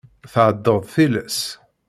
Tɛeddaḍ tilas.